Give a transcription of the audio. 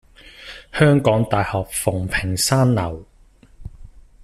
香港大學馮平山樓